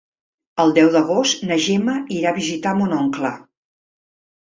El deu d'agost na Gemma irà a visitar mon oncle.